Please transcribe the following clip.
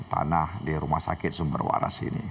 tanah di rumah sakit sumber waras ini